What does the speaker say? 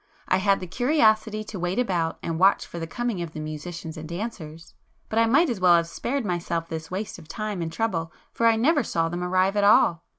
I had the curiosity to wait about and watch for the coming of the musicians and dancers, but I might as well have spared myself this waste of time and trouble, for I never saw them arrive at all.